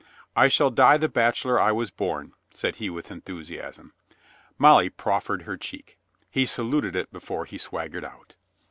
"I shall die the bachelor I was born," said he with enthusiasm. Molly proffered her cheek. He saluted it before he swaggered out.